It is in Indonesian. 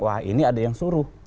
wah ini ada yang suruh